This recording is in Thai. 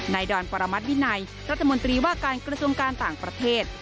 ดอนปรมัติวินัยรัฐมนตรีว่าการกระทรวงการต่างประเทศ